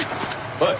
はい。